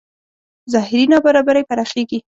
ظاهري نابرابرۍ پراخېږي.